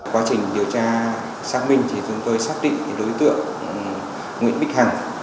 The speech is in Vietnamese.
quá trình điều tra xác minh thì chúng tôi xác định đối tượng nguyễn bích hằng